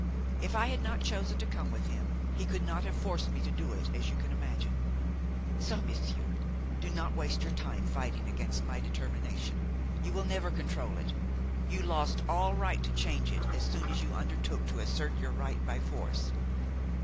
If I had not chosen to come with him, he could not have forced me to do it, as you can imagine. So, monsieur, do not waste your time fighting against my determination; you will never control it, you lost all right to change it as soon as you undertook to assert your right by force.